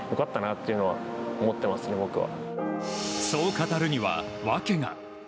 そう語るには、訳が。